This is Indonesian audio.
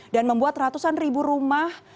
dan membuat ratusan ribu rumah